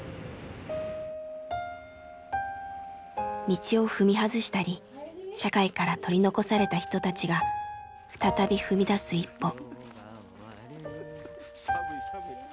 道を踏み外したり社会から取り残された人たちが再び踏み出す一歩。